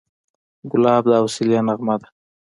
ګلاب د حوصلې نغمه ده.